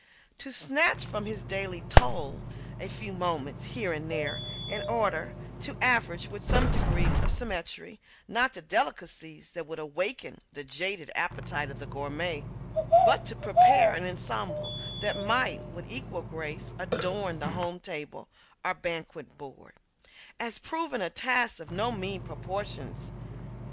To snatch from his daily toil a few moments, here and there, in order to arrange with some degree of symmetry, not the delicacies that would awaken the jaded appetite of the gourmet, but to prepare an ensemble that might, with equal grace, adorn the home table or banquet board, has proven a task of no mean proportions.